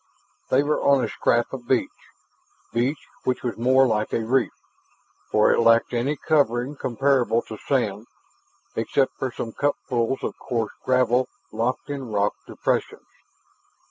They were on a scrap of beach beach which was more like a reef, for it lacked any covering comparable to sand except for some cupfuls of coarse gravel locked in rock depressions.